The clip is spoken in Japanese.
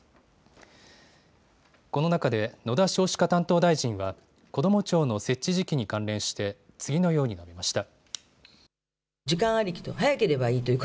この中で野田少子化担当大臣は、こども庁の設置時期に関連して次のように述べました。